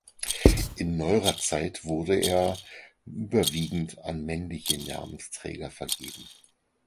In neuerer Zeit wurde er überwiegend an männliche Namensträger vergeben.